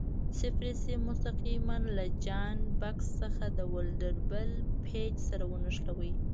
صفري سیم مستقیماً له جاینټ بکس څخه د ولډر بل پېچ سره ونښلوئ.